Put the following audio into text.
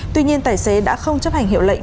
tuy nhiên tài xế đã không chấp hành hiệu lệnh